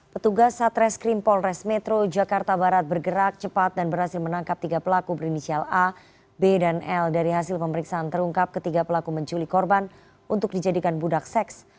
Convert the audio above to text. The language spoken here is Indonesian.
petugas satreskrim polres metro jakarta barat bergerak cepat dan berhasil menangkap tiga pelaku berinisial a b dan l dari hasil pemeriksaan terungkap ketiga pelaku menculik korban untuk dijadikan budak seks